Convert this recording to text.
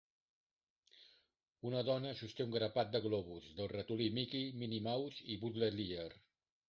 Una dona sosté un grapat de globus del Ratolí Mickey, Minnie Mouse i Buzz Lightyear.